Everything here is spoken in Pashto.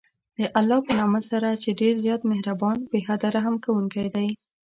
د الله په نامه سره چې ډېر زیات مهربان، بې حده رحم كوونكى دی.